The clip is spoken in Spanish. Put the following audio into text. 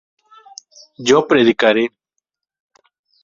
yo predicaré